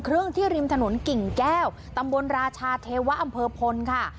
ที่ริมถนนกิ่งแก้วตำบลราชาเทวะอำเภอพลค่ะ